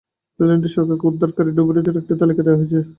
থাইল্যান্ডের সরকারকে উদ্ধারকারী ডুবুরিদের একটা তালিকা দেয়া হয়েছে।